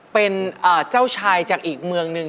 เป็นเจ้าชายจากอีกเมืองหนึ่ง